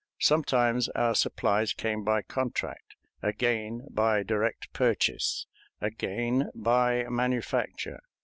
Sometimes our supplies came by contract; again by direct purchase; again by manufacture.